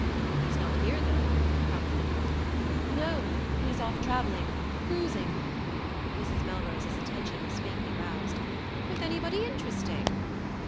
"He's not here, though?" from Fulmer. "No. He's off travelling cruising." Mrs. Melrose's attention was faintly roused. "With anybody interesting?"